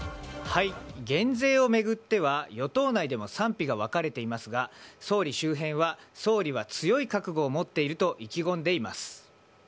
減税を巡っては与党内でも賛否が分かれていますが総理周辺は総理は強い覚悟を持っていると意気込んでいます。